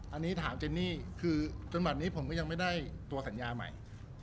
อันนี้ถามเจนนี่คือจนบัดนี้ผมก็ยังไม่ได้ตัวสัญญาใหม่